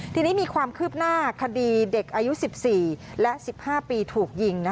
ทีนี้มีความคืบหน้าคดีเด็กอายุ๑๔และ๑๕ปีถูกยิง